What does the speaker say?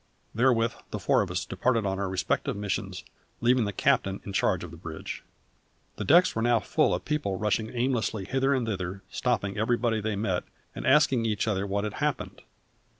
Therewith the four of us departed upon our respective missions, leaving the captain in charge on the bridge. The decks were now full of people rushing aimlessly hither and thither, stopping everybody they met, and asking each other what had happened.